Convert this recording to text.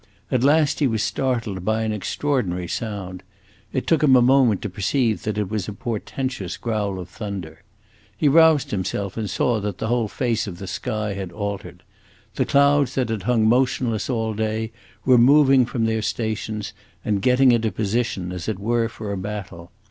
At last he was startled by an extraordinary sound; it took him a moment to perceive that it was a portentous growl of thunder. He roused himself and saw that the whole face of the sky had altered. The clouds that had hung motionless all day were moving from their stations, and getting into position, as it were, for a battle.